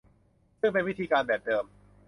ซึ่งเป็นวิธีการแบบเดิม